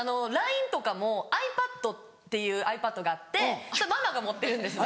ＬＩＮＥとかもｉＰａｄっていうｉＰａｄがあってママが持ってるんですね。